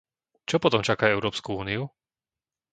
Čo potom čaká Európsku úniu?